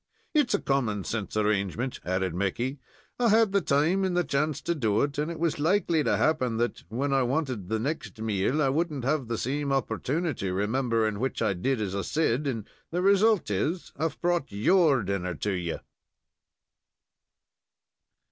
"It's a common sense arrangement," added Mickey. "I had the time and the chance to do it, and it was likely to happen that, when I wanted the next meal, I wouldn't have the same opportunity, remembering which I did as I said, and the result is, I've brought your dinner to you."